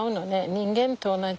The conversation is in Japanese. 人間と同じ。